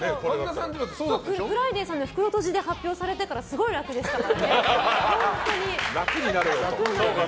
「フライデー」さんの袋とじで発表されてからすごい楽でしたから。